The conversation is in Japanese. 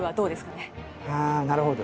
あなるほど。